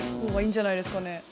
方がいいんじゃないですかね。